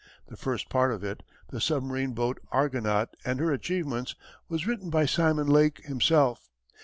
The first part of it, "The Submarine Boat Argonaut and her Achievements," was written by Simon Lake himself.